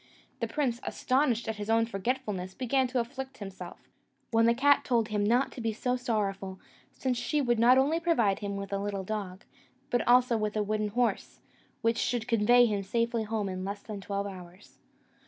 The prince, astonished at his own forgetfulness, began to afflict himself; when the cat told him not to be so sorrowful, since she would not only provide him with a little dog, but also with a wooden horse, which should convey him safely home in less than twelve hours.